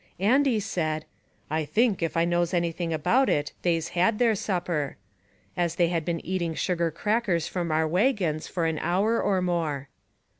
Andy said, " I think, if I knows any thing about it, they's had their supper;" as they had been eating sugar crackers from our wagons for an hour or more.